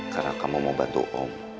karena kamu mau bantu om